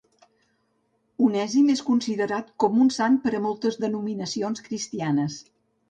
Onèsim és considerat com un sant per moltes denominacions cristianes.